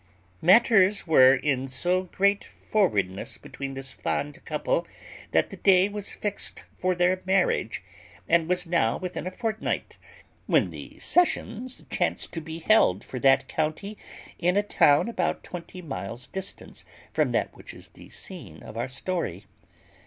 Matters were in so great forwardness between this fond couple, that the day was fixed for their marriage, and was now within a fortnight, when the sessions chanced to be held for that county in a town about twenty miles' distance from that which is the scene of our story.